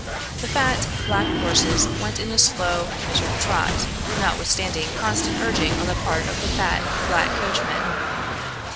The fat, black horses went in a slow, measured trot, notwithstanding constant urging on the part of the fat, black coachman.